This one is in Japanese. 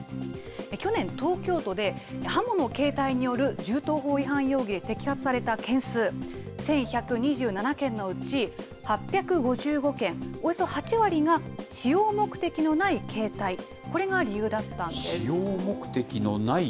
去年、東京都で刃物携帯による銃刀法違反容疑で摘発された件数、１１２７件のうち、８５５件、およそ８割が使用目的のない携帯、使用目的のない？